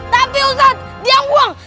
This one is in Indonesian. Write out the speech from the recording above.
tapi ustazah dia buang